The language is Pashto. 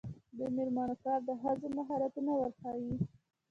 د میرمنو کار د ښځو مهارتونه ورښيي.